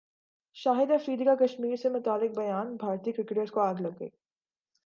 شاہد افریدی کا کشمیر سے متعلق بیانبھارتی کرکٹرز کو اگ لگ گئی